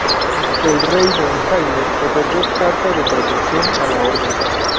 El rey Don Jaime otorgó Carta de Protección a la Orden.